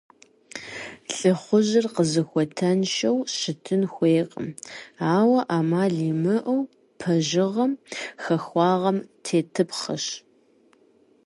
Лӏыхъужьыр къызыхуэтыншэу щытын хуейкъым, ауэ ӏэмал имыӏэу пэжыгъэм, хахуагъэм тетыпхъэщ.